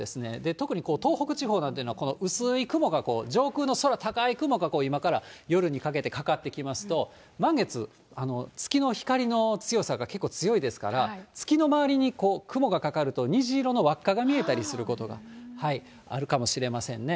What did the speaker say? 特に東北地方なんていうのは、この薄い雲が、上空の空高い雲が今から夜にかけてかかってきますと、満月、月の光の強さが結構強いですから、月の周りに、雲がかかると、虹色のわっかが見えることがあるかもしれませんね。